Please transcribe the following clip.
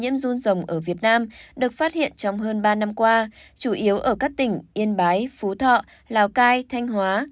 nhiễm run rồng ở việt nam được phát hiện trong hơn ba năm qua chủ yếu ở các tỉnh yên bái phú thọ lào cai thanh hóa